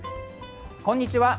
こんにちは。